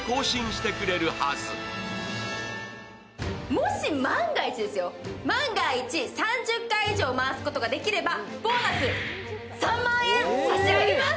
もし万が一、３０回以上回すことができればボーナス３万円差し上げます！